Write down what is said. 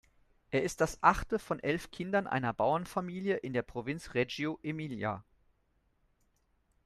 Er ist das achte von elf Kindern einer Bauernfamilie in der Provinz Reggio Emilia.